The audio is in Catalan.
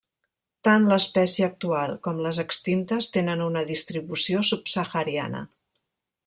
Tant l'espècie actual com les extintes tenen una distribució subsahariana.